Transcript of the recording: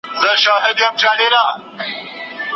او د ده شپې به خالي له انګولا وي